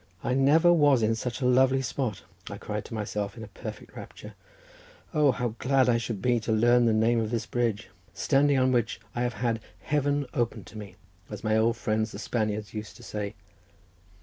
"I never was in such a lovely spot!" I cried to myself in a perfect rapture. "O, how glad I should be to learn the name of this bridge, standing on which I have had 'heaven opened to me,' as my old friends the Spaniards used to say."